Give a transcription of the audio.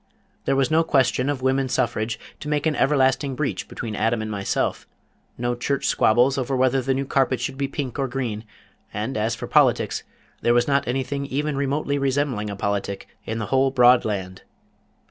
There was no question of Woman's Suffrage to make an everlasting breach between Adam and myself; no church squabbles over whether the new carpet should be pink or green, and as for politics, there was not anything even remotely resembling a politic in the whole broad land.